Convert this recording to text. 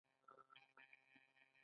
غوسه څنګه کنټرول کړو؟